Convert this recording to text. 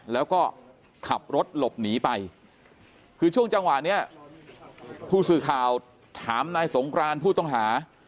แล้วก็ขับรถหลบหนีไปคือช่วงจังหวะนี้ผู้สื่อข่าวถามนายสงกรานผู้ต้องหา